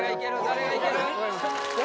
誰がいける？